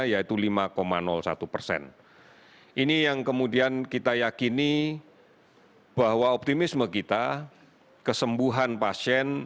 yaitu lima satu persen ini yang kemudian kita yakini bahwa optimisme kita kesembuhan pasien